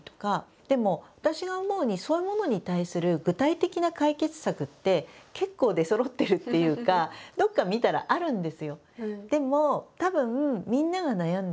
でも私が思うにそういうものに対する具体的な解決策って結構出そろってるっていうかどこか見たらあるんですよ。